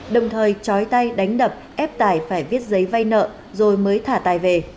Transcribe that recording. đồng thời chói tay đánh đập ép tài phải viết giấy vay nợ rồi mới thả tài về